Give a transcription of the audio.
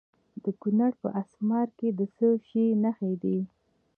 د کونړ په اسمار کې د څه شي نښې دي؟